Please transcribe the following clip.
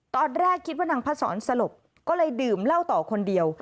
ตอนแรกคิดว่านางพระสอนสลบก็เลยดื่มเหล้าต่อคนเดียว